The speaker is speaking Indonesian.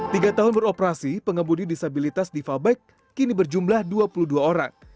tiga tahun beroperasi pengembudi disabilitas diva bike kini berjumlah dua puluh dua orang